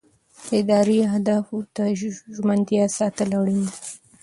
د ادارې اهدافو ته ژمنتیا ساتل اړینه ده.